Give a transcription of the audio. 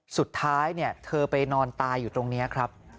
สุดท้ายเธอไปนอนตายอยู่ตรงนี้ครับ